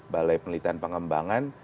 balai penelitian pengembangan